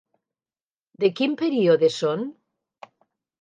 De quin període són?